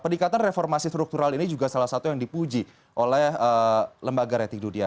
peningkatan reformasi struktural ini juga salah satu yang dipuji oleh lembaga rating dunia